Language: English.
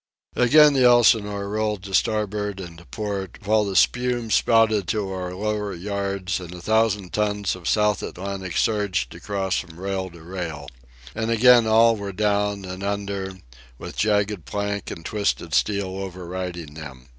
Again the Elsinore rolled to starboard and to port, while the spume spouted to our lower yards and a thousand tons of South Atlantic surged across from rail to rail. And again all were down and under, with jagged plank and twisted steel overriding them.